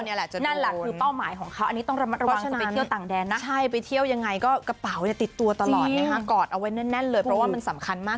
นั่นแหละนั่นแหละคือเป้าหมายของเขาอันนี้ต้องระมัดระวังจะไปเที่ยวต่างแดนนะใช่ไปเที่ยวยังไงก็กระเป๋าเนี่ยติดตัวตลอดนะคะกอดเอาไว้แน่นเลยเพราะว่ามันสำคัญมาก